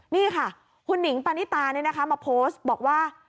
นี่ค่ะคุณหนิงปานิตามาโพสต์บอกว่า